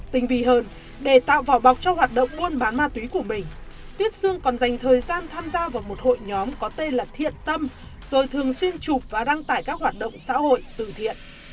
tinh vi hơn để tạo vỏ bọc cho hoạt động buôn bán ma túy của mình tuyết sương còn dành thời gian tham gia vào một hội nhóm có tên là thiện tâm rồi thường xuyên chụp và đăng tải các hoạt động xã hội từ thiện